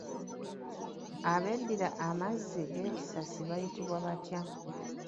Abeddira amazzi g'ekisasi bayitibwa batya?